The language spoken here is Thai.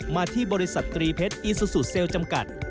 มาที่บริษัทตรีเพชรอีซูซูเซลล์จำกัด